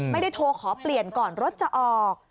ไม่ได้โทรขอเปลี่ยนก่อนรถจะออก